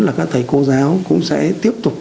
là các thầy cô giáo cũng sẽ tiếp tục